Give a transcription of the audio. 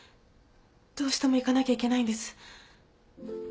どうしても行かなきゃいけないんです。